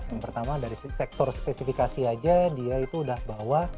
yang pertama dari sektor spesifikasi aja dia itu udah bawa